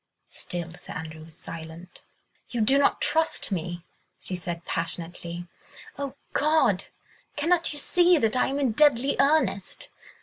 Still Sir Andrew was silent. "You do not trust me," she said passionately. "Oh, God! cannot you see that I am in deadly earnest?